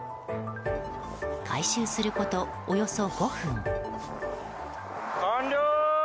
回収すること、およそ５分。